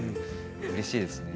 うれしいですね。